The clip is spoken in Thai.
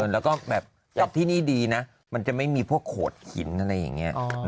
แล้วก็แบบที่นี่ดีนะมันจะไม่มีพวกโขดหินอะไรอย่างนี้